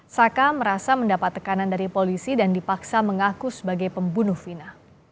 saka merasa mendapat tekanan dari polisi dan dipaksa mengaku sebagai pembunuh vina